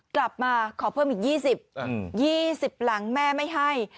กลับมาขอเพิ่มอีกยี่สิบยี่สิบหลังแม่ไม่ให้